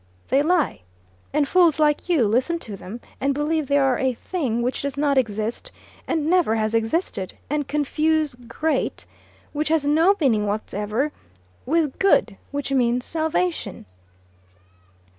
They lie. And fools like you listen to them, and believe that they are a thing which does not exist and never has existed, and confuse 'great,' which has no meaning whatever, with 'good,' which means salvation.